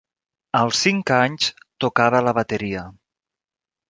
Als cinc anys, tocava la bateria.